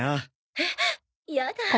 えっ？やだ。